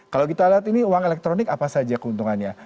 kalau kita lihat ini uang elektronik apa saja keuntungannya